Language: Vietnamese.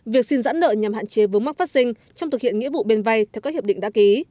việc xin giãn nợ nhằm hạn chế vướng mắc phát sinh trong thực hiện nghĩa vụ bên vay theo các hiệp định đã ký